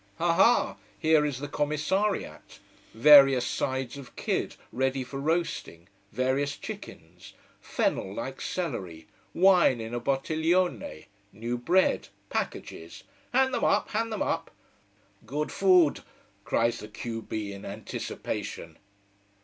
Ha ha! Here is the commissariat! Various sides of kid, ready for roasting: various chickens: fennel like celery: wine in a bottiglione: new bread: packages! Hand them up, hand them up. "Good food!" cries the q b in anticipation.